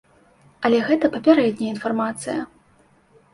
Але гэта папярэдняя інфармацыя.